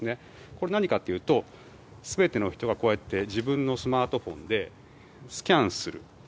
これ、何かというと全ての人がこうやって自分のスマートフォンでスキャンする。